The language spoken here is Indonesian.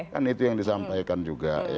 kan itu yang disampaikan juga